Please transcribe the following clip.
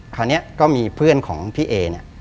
คราวนี้ก็มีเพื่อนของพี่เอเนี่ย